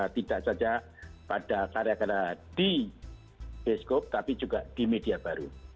tidak saja pada karya karya di bioskop tapi juga di media baru